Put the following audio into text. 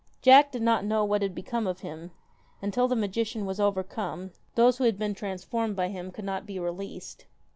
Jack did not know what had become of him, and till the magician was overcome, those who had been transformed by him could not be released.